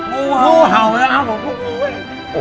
งูเห่าเลยครับผมคุก